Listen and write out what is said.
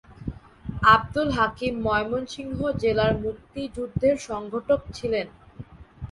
আব্দুল হাকিম ময়মনসিংহ জেলার মুক্তিযুদ্ধের সংগঠক ছিলেন।